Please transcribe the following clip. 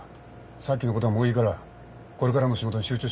さっきのことはもういいからこれからの仕事に集中しろ。